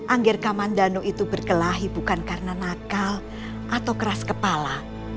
anggir kamandano itu berkelahi bukan karena nakal atau keras kepala